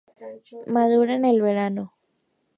Madura en el verano.